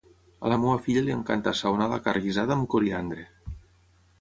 A la meva filla li encanta assaonar la carn guisada amb coriandre